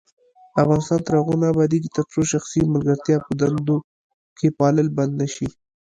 افغانستان تر هغو نه ابادیږي، ترڅو شخصي ملګرتیا په دندو کې پالل بند نشي.